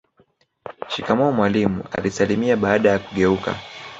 shikamoo mwalimu alisalimia baada ya kugeuka